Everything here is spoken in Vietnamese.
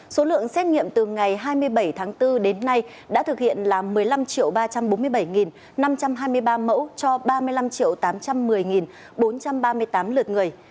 số lượng xét nghiệm từ ngày hai mươi bảy tháng bốn đến nay đã thực hiện là một mươi năm ba trăm bốn mươi bảy năm trăm hai mươi ba mẫu cho ba mươi năm tám trăm một mươi bốn trăm ba mươi tám lượt người